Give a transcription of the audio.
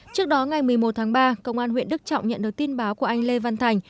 trước đó ngày một mươi một tháng ba công an huyện đức trọng nhận được tin báo của anh lê văn thành